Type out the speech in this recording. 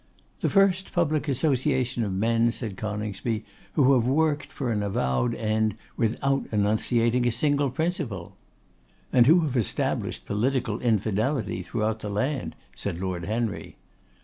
'The first public association of men,' said Coningsby, 'who have worked for an avowed end without enunciating a single principle.' 'And who have established political infidelity throughout the land,' said Lord Henry.